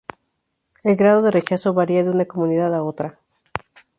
El grado de rechazo varía de una comunidad a otra.